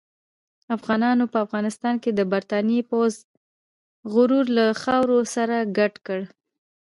افغانانو په افغانستان کې د برتانیې پوځ غرور له خاورو سره ګډ کړ.